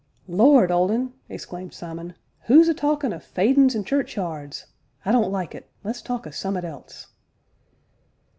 "Lord, Old Un!" exclaimed Simon, "who's a talkin' o' fadin's an' churchyards? I don't like it let's talk o' summ'at else."